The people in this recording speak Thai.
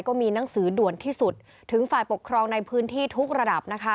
ก็มีหนังสือด่วนที่สุดถึงฝ่ายปกครองในพื้นที่ทุกระดับนะคะ